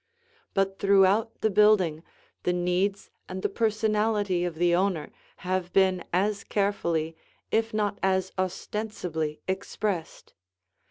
But throughout the building the needs and the personality of the owner have been as carefully if not as ostensibly expressed.